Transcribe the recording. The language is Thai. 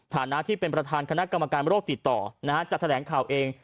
ฐานะที่เป็นประธานคณะกรรมการโรคติดต่อจะแถลงข่าวเอง